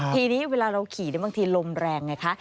ทีนี้เวลาเราขี่บางทีลมแรงไงคะ